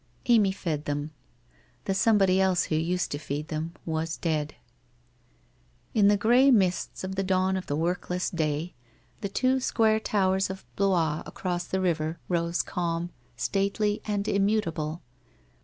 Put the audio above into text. Amy fed them. The somebody else who used to feed them was dead. In the grey mists of the dawn of the workless day, the two WHITE ROSE OF WEARY LEAF 277 6quare towers of Blois across the river rose calm, stately, and immutable.